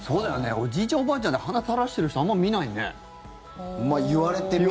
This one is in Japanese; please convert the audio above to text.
おじいちゃん、おばあちゃんで鼻垂らしてる人あんま見ないね。